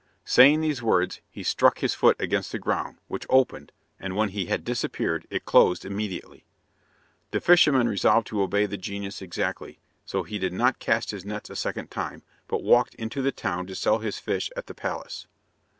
Saying these words, he struck his foot against the ground, which opened, and when he had disappeared, it closed immediately. The fisherman resolved to obey the genius exactly, so he did not cast his nets a second time, but walked into the town to sell his fish at the palace.